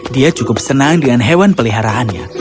dia cukup senang dengan hewan peliharaannya